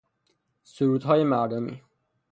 سرودهای مردمی